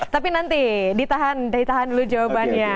tapi nanti ditahan ditahan dulu jawabannya